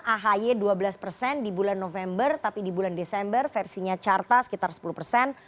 ahy dua belas persen di bulan november tapi di bulan desember versinya carta sekitar sepuluh persen